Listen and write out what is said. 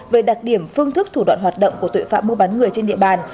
về đặc điểm phương thức thủ đoạn hoạt động của tội phạm mua bán người trên địa bàn